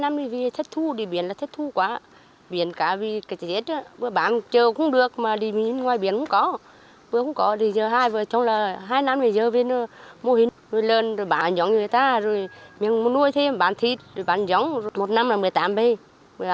mô hình nuôi lợn bán giống như người ta miếng nuôi thêm bán thịt bán giống một năm là một mươi tám bê